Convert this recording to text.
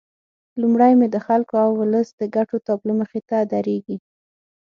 لومړی مې د خلکو او ولس د ګټو تابلو مخې ته درېږي.